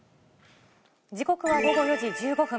時刻は午後４時１５分。